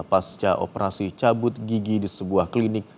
pasca operasi cabut gigi di sebuah klinik